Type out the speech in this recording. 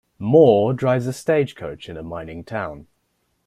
Moore drives a stagecoach in a mining town.